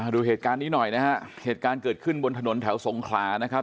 ดูเหตุการณ์นี้หน่อยนะฮะเหตุการณ์เกิดขึ้นบนถนนแถวสงขลานะครับ